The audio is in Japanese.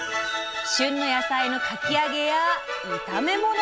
旬の野菜のかき揚げや炒め物。